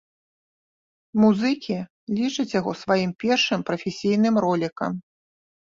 Музыкі лічаць яго сваім першым прафесійным ролікам.